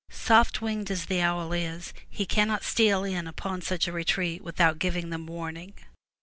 Soft winged as the owl is, he cannot steal in upon such a retreat without giving them warning.